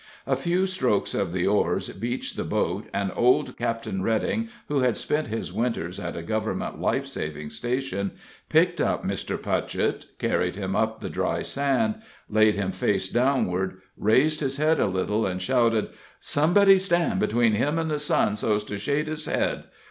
A few strokes of the oars beached the boat, and old "Captain" Redding, who had spent his Winters at a government life saving station, picked up Mr. Putchett, carried him up to the dry sand, laid him face downward, raised his head a little, and shouted: "Somebody stand between him and the sun so's to shade his head!